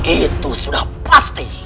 itu sudah pasti